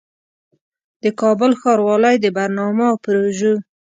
د کابل ښاروالۍ د برنامو او پروژو